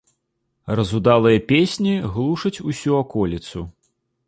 Разудалыя песні глушаць усю аколіцу.